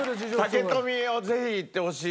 竹富はぜひ行ってほしい。